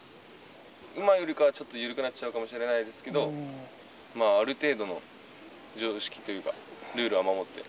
今よりかはちょっと緩くなっちゃうかもしれないですけど、まあ、ある程度の常識というか、ルールは守って。